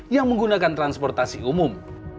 yang menggunakan transportasi umum